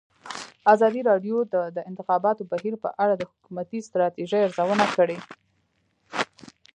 ازادي راډیو د د انتخاباتو بهیر په اړه د حکومتي ستراتیژۍ ارزونه کړې.